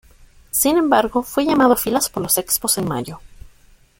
Sin embargo, fue llamado a filas por los Expos en mayo.